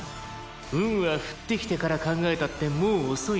「運は降ってきてから考えたってもう遅いんだ」